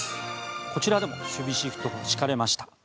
こちらでも守備シフトが敷かれました。